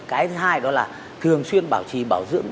cái thứ hai đó là thường xuyên bảo trì bảo dưỡng